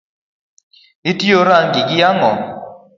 Itoyo rang’i gi ang’o?